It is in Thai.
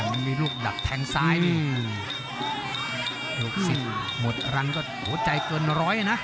มันมีลูกดักแทงซ้ายนี่ลูกศิษย์หมดรังก็หัวใจเกินร้อยนะ